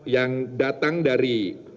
yang datang dari